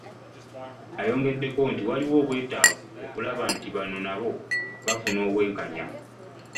Ayongeddeko nti waliwo obwetaavu okulaba nti bano nabo bafuna obwenkanya .